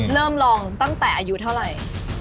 ลองตั้งแต่อายุเท่าไหร่